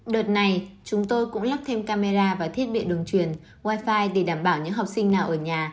đợt này chúng tôi cũng lắp thêm camera và thiết bị đường truyền wifi để đảm bảo những học sinh nào ở nhà